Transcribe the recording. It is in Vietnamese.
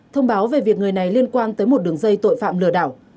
thông báo về việc người này liên quan tới một đường dây tội phạm lừa đảo